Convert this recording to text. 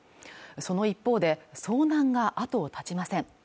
その一方で遭難があとを絶ちません